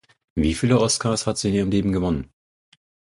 Wieviele Oscars hat sie in ihrem Leben gewonnen?